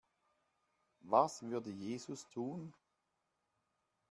Was würde Jesus tun?